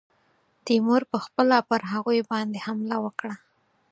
تیمور پخپله پر هغوی باندي حمله وکړه.